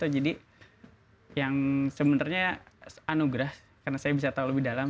jadi yang sebenarnya anugerah karena saya bisa tahu lebih dalam